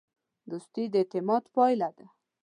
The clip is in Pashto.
دوستي د اعتماد پایله ده.